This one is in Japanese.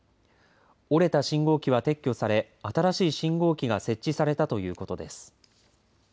折れた信号機は撤去され新しい信号機が設置されたということです。